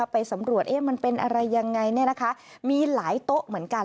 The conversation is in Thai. ไปสำรวจมันเป็นอะไรยังไงมีหลายโต๊ะเหมือนกัน